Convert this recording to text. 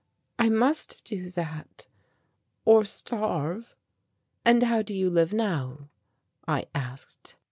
"I must do that or starve." "And how do you live now?" I asked.